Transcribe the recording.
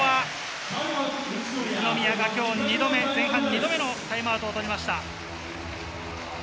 宇都宮が今日２度目、前半２度目のタイムアウトを取りました。